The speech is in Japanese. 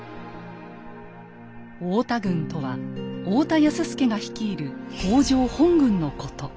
「太田軍」とは太田康資が率いる北条本軍のこと。